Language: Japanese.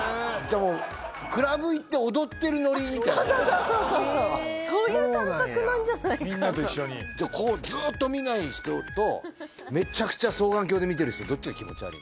もうクラブ行って踊ってるノリみたいなそうそうそうそうそうそうそういう感覚なんじゃないかなみんなと一緒にじゃあこうずっと見ない人とめちゃくちゃ双眼鏡で見てる人どっちが気持ち悪い？